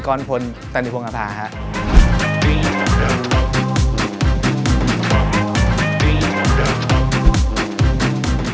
กรณพลตัวนี้ภูมิภาษาครับ